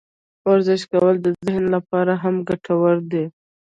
ورزش کول د ذهن لپاره هم ګټور دي.